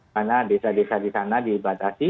karena desa desa di sana dibatasi